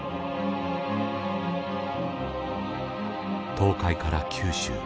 東海から九州。